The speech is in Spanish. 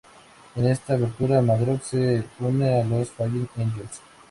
En esta aventura, Madrox se une a los Fallen Angels.